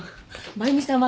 真由美さんはね